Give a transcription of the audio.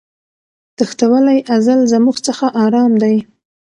تښتولی ازل زموږ څخه آرام دی